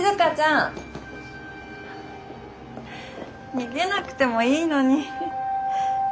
逃げなくてもいいのに。